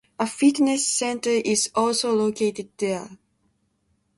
A fitness center is also located there.